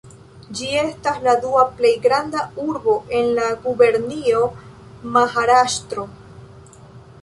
Ĝi estas la dua plej granda urbo en la gubernio Maharaŝtro.